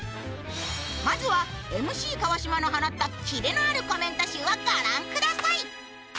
まずはＭＣ川島の放ったキレのあるコメント集をご覧ください